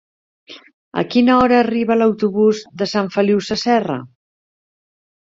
A quina hora arriba l'autobús de Sant Feliu Sasserra?